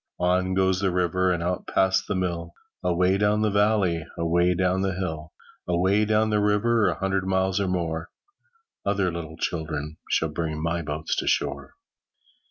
On goes the river And out past the mill, Away down the valley, Away down the hill. Away down the river, A hundred miles or more, Other little children Shall bring my boats ashore.